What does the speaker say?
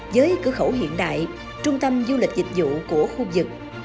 với cửa khẩu hiện đại trung tâm du lịch dịch vụ của khu vực